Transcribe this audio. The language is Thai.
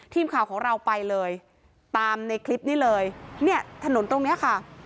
ทีมข่าวของเราไปเลยตามในคลิปนี้เลยเนี่ยถนนตรงเนี้ยค่ะ